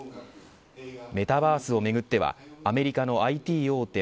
メタバースをめぐってはアメリカのＩＴ大手